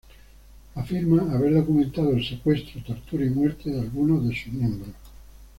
Afirma haber documentado el secuestro, tortura y muerte de algunos de sus miembros.